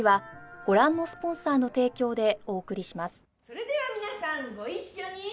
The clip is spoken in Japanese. それでは皆さんご一緒に。